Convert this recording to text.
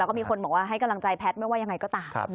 แล้วก็มีคนบอกว่าให้กำลังใจแพทย์ไม่ว่ายังไงก็ตาม